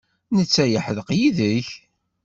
Netta yeḥdeq yid-k?